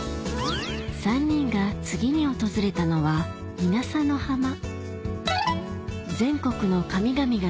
３人が次に訪れたのは稲佐の浜